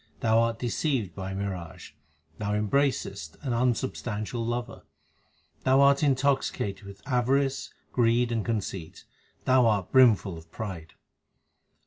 Thou art deceived by a mirage ; thou embracest an un substantial lover ; Thou art intoxicated with avarice, greed, and conceit ; thou art brimful of pride.